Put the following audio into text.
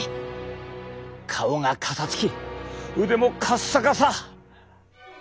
顔がかさつき腕もかっさかさ。